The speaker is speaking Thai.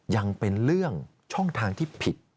ยังเป็นเรื่องช่องทางที่ผิด